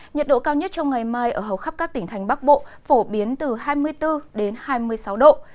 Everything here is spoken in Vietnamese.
nhiệt độ cao nhất trong ngày mai ở hầu khắp các tỉnh thành bắc bộ phổ biến từ hai mươi bốn hai mươi sáu độ